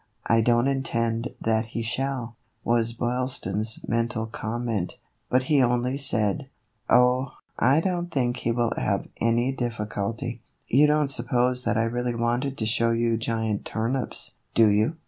." I don't intend that he shall," was Boylston's mental comment, but he only said :" Oh, I don't think he will have any difficulty. You don't sup pose that I really wanted to show you giant turnips, do you